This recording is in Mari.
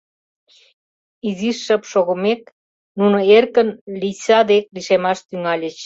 Изиш шып шогымек, нуно эркын Лийса дек лишемаш тӱҥальыч.